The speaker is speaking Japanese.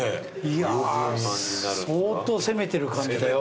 いやー相当攻めてる感じだよ。